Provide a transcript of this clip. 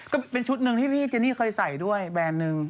ก็เป็นชุดหนึ่งที่พี่เจนี่เคยใส่ด้วยแบรนด์หนึ่ง